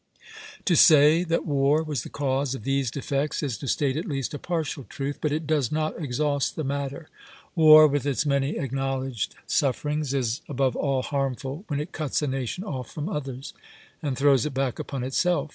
To say that war was the cause of these defects is to state at least a partial truth; but it does not exhaust the matter. War, with its many acknowledged sufferings, is above all harmful when it cuts a nation off from others and throws it back upon itself.